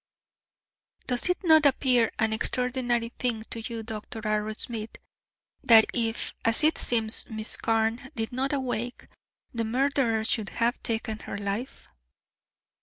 "Does it not appear an extraordinary thing to you, Dr. Arrowsmith, that if, as it seems, Miss Carne did not awake, the murderer should have taken her life?"